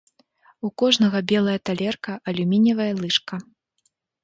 У кожнага белая талерка, алюмініевая лыжка.